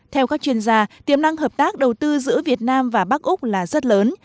theo các chuyên gia tiềm năng hợp tác đầu tư giữa việt nam và bắc úc là rất lớn